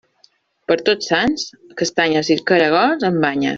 Per Tots Sants, castanyes i caragols amb banyes.